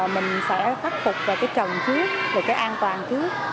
mình sẽ khắc phục về cái trần trước về cái an toàn trước